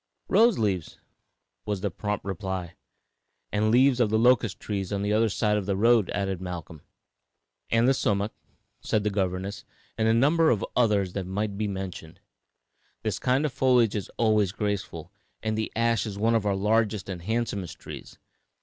"Rose leaves," was the prompt reply. "And leaves of the locust trees on the other side of the road," added Malcolm. [Illustration: THE COMMON ASH.] "And the sumac," said their governess, "and a number of others that might be mentioned. This kind of foliage is always graceful, and the ash is one of our largest and handsomest trees.